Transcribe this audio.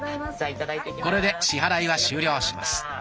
これで支払いは終了します。